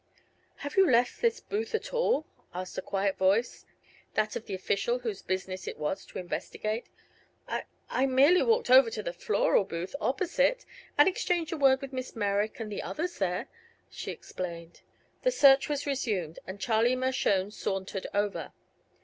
"Have you left this booth at all?" asked a quiet voice, that of the official whose business it was to investigate. "I I merely walked over to the floral booth opposite, and exchanged a word with Miss Merrick, and the others there," she explained. The search was resumed, and Charlie Mershone sauntered over.